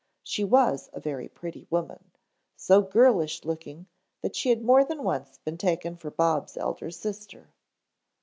She was a very pretty woman, so girlish looking that she had more than once been taken for Bob's elder sister.